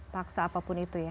paksa apapun itu ya